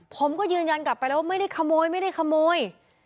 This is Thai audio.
ผมก็ยืนยันกลับไปแล้วว่าไม่ได้ขโมย